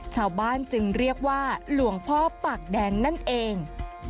ชาวบ้านจึงเรียกว่าหลวงพ่อปากแดงนั่นเอง